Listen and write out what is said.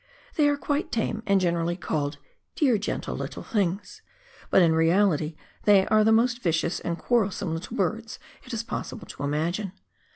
They are quite tame, and generally called "dear, gentle little things," but in reality they are the most vicious and quarrelsome little birds it is possible to imagine.